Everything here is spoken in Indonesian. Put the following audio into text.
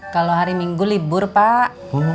kalau hari minggu libur pak